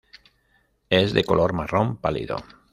Es de color marrón pálido.